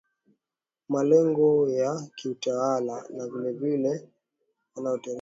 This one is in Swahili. malengo ya kiutawala na vilevile wanateolojia walitumia siasa